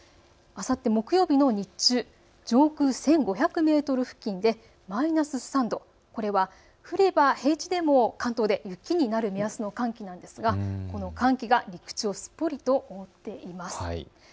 あさって木曜日の日中、上空１５００メートル付近でマイナス３度、これは降れば平地でも関東で雪になる目安の寒気なんですがこの寒気が陸地をすっぽりと覆っています。